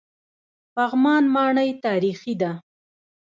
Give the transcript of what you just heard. پغمان ماڼۍ تاریخي ده؟